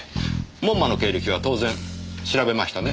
門馬の経歴は当然調べましたね。